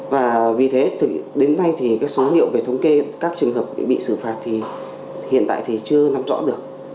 và vì thế đến nay thì cái số hiệu về thống kê các trường hợp bị xử phạt thì hiện tại thì chưa nắm rõ được